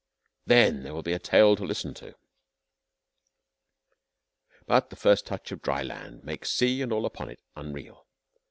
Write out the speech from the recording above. Then there will be a tale to listen to. But the first touch of dry land makes the sea and all upon it unreal.